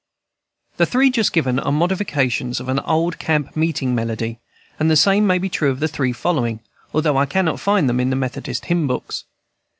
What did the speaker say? The three just given are modifications of an old camp meeting melody; and the same may be true of the three following, although I cannot find them in the Methodist hymn books.